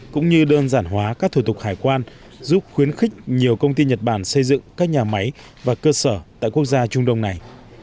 cũng như đơn giản hóa các thủ tục hải quan giúp khuyến khích nhiều công ty nhật bản xây dựng các nhà máy và cơ sở tại quốc gia trung đông này